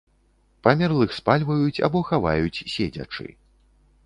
Памерлых спальваюць або хаваюць седзячы.